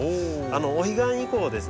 お彼岸以降です。